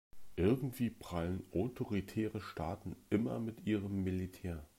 Irgendwie prahlen autoritäre Staaten immer mit ihrem Militär.